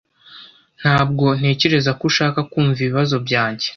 Ntabwo ntekereza ko ushaka kumva ibibazo byanjye.